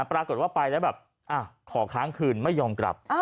ปรากฏว่าไปแล้วแบบขอค้างคืนไม่ยอมกลับ